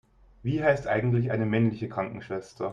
Wie heißt eigentlich eine männliche Krankenschwester?